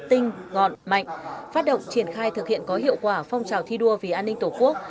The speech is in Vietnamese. tinh ngọn mạnh phát động triển khai thực hiện có hiệu quả phong trào thi đua vì an ninh tổ quốc